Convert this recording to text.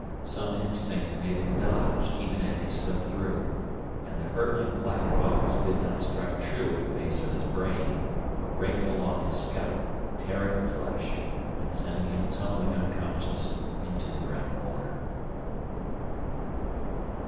Some instinct made him dodge even as he slipped through, and the hurtling black box did not strike true at the base of his brain but raked along his scalp, tearing the flesh and sending him tumbling unconscious into the brown water.